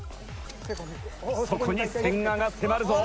「そこに千賀が迫るぞ」